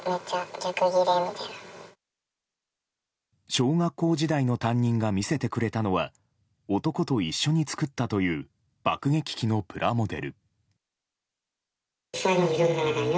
小学校時代の担任が見せてくれたのは男と一緒に作ったという爆撃機のプラモデル。